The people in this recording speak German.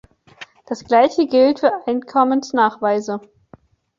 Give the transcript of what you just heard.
Das Gleiche gilt für Einkommensnachweise.